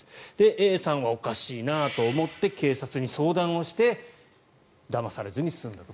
Ａさんはおかしいなと思って警察に相談をしてだまされずに済んだと。